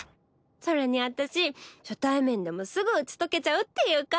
それに私初対面でもすぐ打ち解けちゃうっていうか。